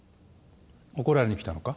怒られに来たのか？